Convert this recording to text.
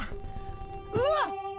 うわっ